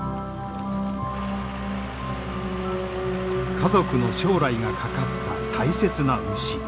家族の将来がかかった大切な牛。